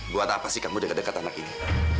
buat apa sih kamu udah kedekat anak ini